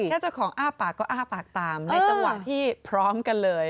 เจ้าของอ้าปากก็อ้าปากตามในจังหวะที่พร้อมกันเลย